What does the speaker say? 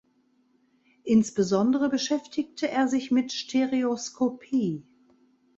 Insbesondere beschäftigte er sich mit Stereoskopie.